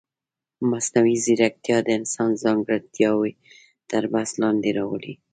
مصنوعي ځیرکتیا د انسان ځانګړتیاوې تر بحث لاندې راولي.